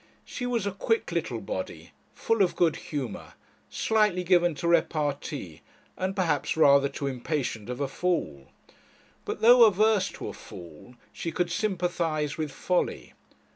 She was a quick little body, full of good humour, slightly given to repartee, and perhaps rather too impatient of a fool. But though averse to a fool, she could sympathize with folly.